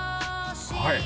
はい！